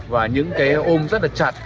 và những ôm rất là chặt